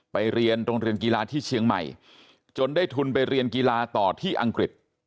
เรียนโรงเรียนกีฬาที่เชียงใหม่จนได้ทุนไปเรียนกีฬาต่อที่อังกฤษ